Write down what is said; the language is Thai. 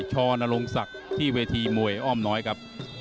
ชนรงศักดิ์ที่เวทีมวยอ้อมน้อยครับ